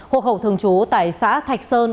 hộ khẩu thường trú tại xã thạch sơn